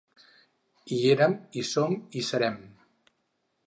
Hi érem, hi som, hi serem.